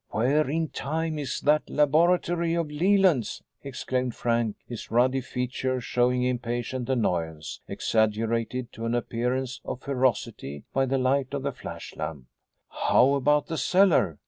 "Where in time is that laboratory of Leland's?" exclaimed Frank, his ruddy features showing impatient annoyance, exaggerated to an appearance of ferocity by the light of the flashlamp. "How about the cellar?"